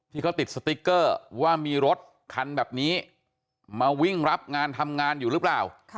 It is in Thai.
ที่เขาติดสติ๊กเกอร์ว่ามีรถคันแบบนี้มาวิ่งรับงานทำงานอยู่หรือเปล่า